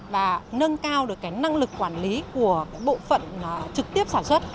và nâng cao được cái năng lực quản lý của bộ phận trực tiếp sản xuất